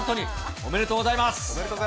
おめでとうございます。